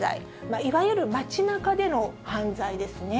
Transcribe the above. いわゆる街なかでの犯罪ですね。